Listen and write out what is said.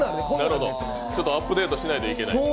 ちょっとアップデートしないといけない。